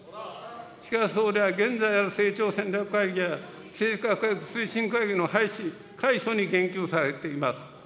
しかし総理は、現在ある成長戦略会議や、規制改革推進会議の廃止・改組に言及されています。